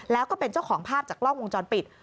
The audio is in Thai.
แล้วก็เป็นเจ้าของภาพจากกล้องวงจรปิด